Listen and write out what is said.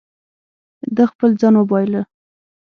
ده خپل ځان وبایلو.